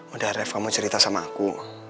udah ref kamu cerita sama aku